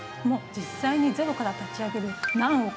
実際にゼロから立ち上げる何億